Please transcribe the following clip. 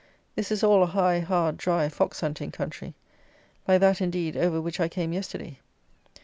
This is all a high, hard, dry, fox hunting country. Like that, indeed, over which I came yesterday.